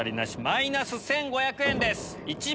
マイナス１５００円です。